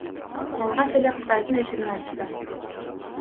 Алгач эле Кытайдын эшигин ачтым.